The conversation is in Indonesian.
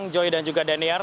saya joy dan juga deniar